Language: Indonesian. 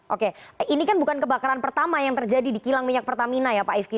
oke ini kan bukan kebakaran pertama yang terjadi di kilang minyak pertamina ya pak ifki